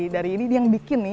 dari ini dia yang bikin nih